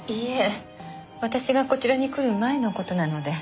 私がこちらに来る前の事なので。